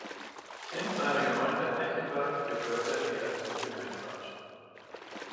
In seiner Gemeinde Eichenberg gehörte er zum Gemeinderat.